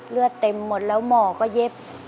เลือดเต็มหมดแล้วหมอก็เย็บ